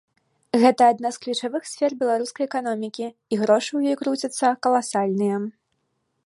Гэта адна з ключавых сфер беларускай эканомікі, і грошы ў ёй круцяцца каласальныя.